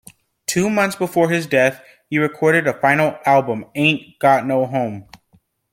Two months before his death, he recorded a final album, "Ain't Got No Home".